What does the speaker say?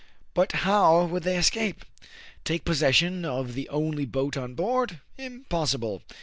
But how would they escape t Take possession of the only boat on board ? Impossible